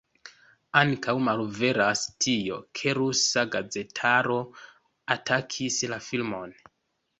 Ankaŭ malveras tio, ke rusa gazetaro atakis la filmon.